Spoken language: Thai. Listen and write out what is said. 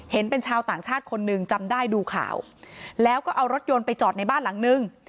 เห็นเป็นชาวต่างชาติคนหนึ่งจำได้ดูข่าวแล้วก็เอารถยนต์ไปจอดในบ้านหลังนึง